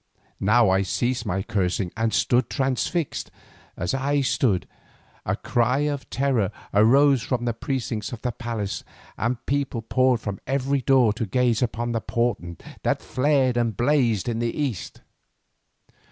Now I ceased my cursing and stood transfixed, and as I stood, a cry of terror arose from all the precincts of the palace and people poured from every door to gaze upon the portent that flared and blazed in the east.